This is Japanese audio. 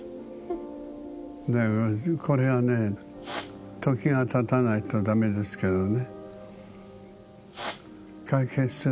これはねえ時がたたないと駄目ですけどね。